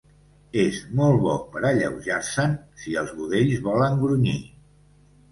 És molt bo per a alleujar-se'n, si els budells volen grunyir.